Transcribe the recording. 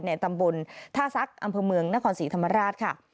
ตำบลท่าซักอำเภอเมืองนครศรีธรรมราชค่ะ